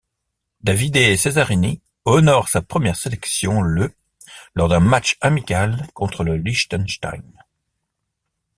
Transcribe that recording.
Davide Cesarini honore sa première sélection le lors d'un match amical contre le Liechtenstein.